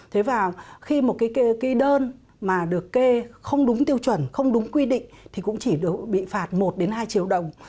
thế và khi một cái đơn mà được kê không đúng tiêu chuẩn không đúng quy định thì cũng chỉ được bị phạt một đến hai triệu đồng